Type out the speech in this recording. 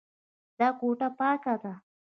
دا کوټه پاکه ده.